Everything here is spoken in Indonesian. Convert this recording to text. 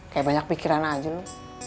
kayak banyak pikiran aja lu